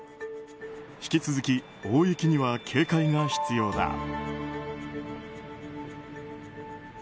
引き続き大雪には警戒が必要だ。